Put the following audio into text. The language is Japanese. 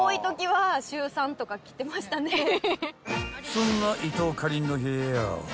［そんな伊藤かりんの部屋は］